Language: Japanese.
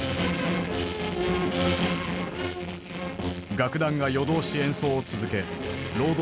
楽団が夜通し演奏を続け労働者を鼓舞した。